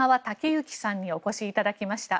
之さんにお越しいただきました。